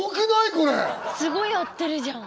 これすごい合ってるじゃん